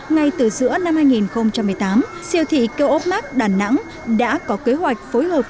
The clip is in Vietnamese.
ngay từ giữa năm hai nghìn một mươi tám siêu thị keo úp mark đà nẵng đã có kế hoạch phối hợp